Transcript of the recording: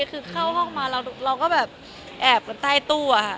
คือเข้าห้องมาเราก็แบบแอบกันใต้ตัว